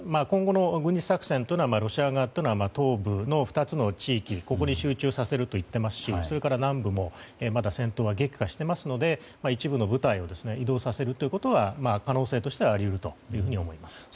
今後の軍事作戦はロシア側は東部の２つの地域ここに集中させるといっていますし南部もまだ戦闘は激化していますので一部の部隊を移動させるということは可能性としてはあり得ると思います。